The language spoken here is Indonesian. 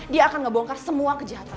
dia akan ngebongkar semua kejahatan